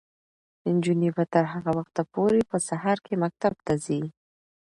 نجونې به تر هغه وخته پورې په سهار کې مکتب ته ځي.